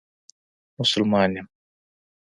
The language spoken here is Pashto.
مسلمان یم.